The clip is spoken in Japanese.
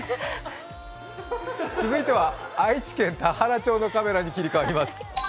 続いては愛知県田原町のカメラに切り替わります。